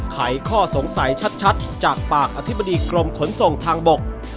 ไขข้อสงสัยชัดจากปากอธิบดีกรมขนส่งทางบก